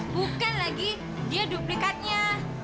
bukan lagi dia duplikatnya